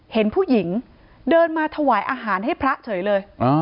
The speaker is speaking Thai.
เห็นผู้หญิงเดินมาถวายอาหารให้พระเฉยเลย